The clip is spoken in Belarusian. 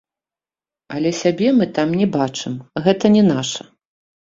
Але сябе мы там не бачым, гэта не наша.